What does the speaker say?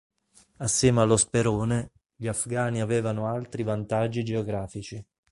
Assieme allo sperone, gli afghani avevano altri vantaggi geografici.